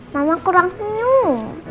mama kurang senyum